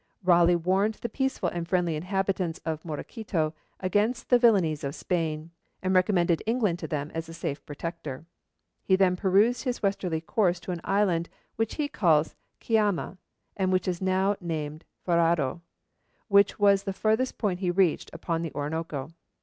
Raleigh warned the peaceful and friendly inhabitants of Morequito against the villanies of Spain, and recommended England to them as a safe protector. He then pursued his westerly course to an island which he calls Caiama, and which is now named Fajardo, which was the farthest point he reached upon the Orinoco.